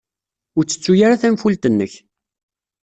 Ur ttettu ara tanfult-nnek!